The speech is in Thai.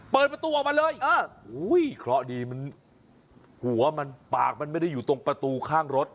เปิดประตูออกมาเลยเคราะห์ดีมันหัวมันปากมันไม่ได้อยู่ตรงประตูข้างรถ